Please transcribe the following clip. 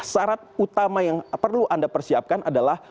syarat utama yang perlu anda persiapkan adalah